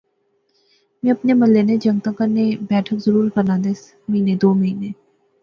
میں اپنے محلے نے جنگتیں کنے بیٹھک ضرور کرنا دیس، مہینے دو مہینے